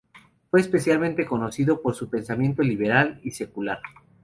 Fue especialmente conocido por su pensamiento liberal y secular.